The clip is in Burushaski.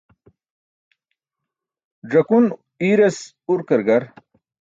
Ẓakun i̇iras urkar gar.